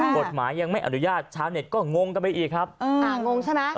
กฎหมายยังไม่อนุญาตชาวเน็ตก็งงกันไปอีกครับงงใช่ไหม